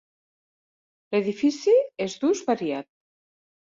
L'edifici és d'ús variat.